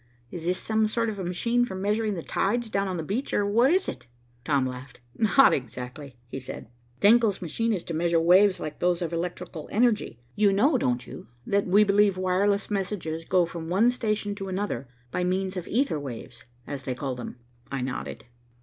Is this some sort of a machine for measuring the tides down on the beach, or what is it?" Tom laughed. "Not exactly," he said. "Denckel's machine is to measure waves like those of electrical energy. You know, don't you, that we believe wireless messages go from one station to another by means of ether waves, as they call them?" I nodded.